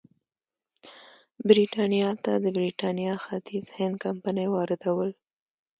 برېټانیا ته د برېټانیا ختیځ هند کمپنۍ واردول.